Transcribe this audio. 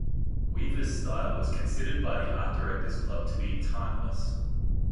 Weaver's style was considered by the Art Directors Club to be "timeless".